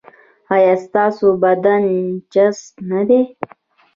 ایا ستاسو بدن چست نه دی؟